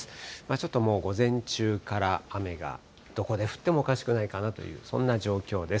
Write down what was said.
ちょっともう午前中から雨がどこで降ってもおかしくないかなという、そんな状況です。